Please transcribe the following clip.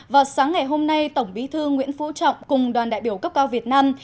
vào sáng ngày hôm nay tổng bí thư nguyễn phú trọng cùng đoàn đại biểu cấp cao việt nam